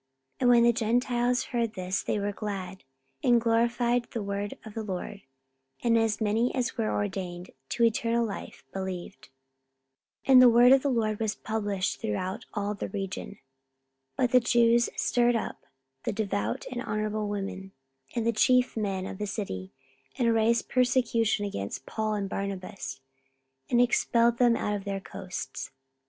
44:013:048 And when the Gentiles heard this, they were glad, and glorified the word of the Lord: and as many as were ordained to eternal life believed. 44:013:049 And the word of the Lord was published throughout all the region. 44:013:050 But the Jews stirred up the devout and honourable women, and the chief men of the city, and raised persecution against Paul and Barnabas, and expelled them out of their coasts.